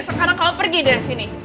sekarang kalau pergi dari sini